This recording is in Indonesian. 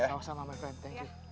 sama sama my friend thank you